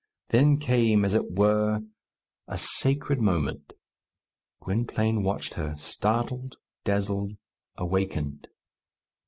Then came, as it were, a sacred moment. Gwynplaine watched her, startled, dazzled, awakened.